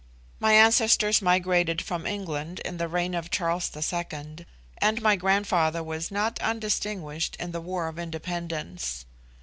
My ancestors migrated from England in the reign of Charles II.; and my grandfather was not undistinguished in the War of Independence.